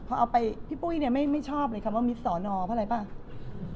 พอเอาไปพี่ปุ้ยเนี่ยไม่ชอบเลยคำว่ามิตรสอนอเพราะอะไรป่ะ